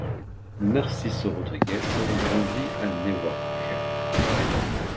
Narciso Rodriguez grandit à Newark.